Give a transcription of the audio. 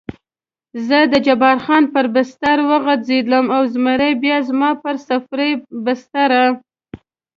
زه د جبار خان پر بستره وغځېدم او زمری بیا زما پر سفرۍ بستره.